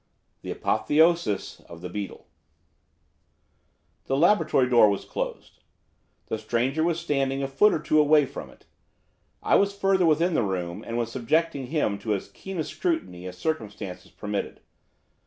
THE APOTHEOSIS OF THE BEETLE The laboratory door was closed. The stranger was standing a foot or two away from it. I was further within the room, and was subjecting him to as keen a scrutiny as circumstances permitted.